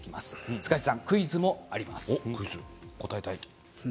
塚地さん、クイズもあります。